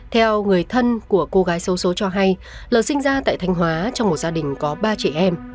theo người thân của cô gái sâu số cho hay lợn sinh ra tại thanh hóa trong một gia đình có ba trẻ em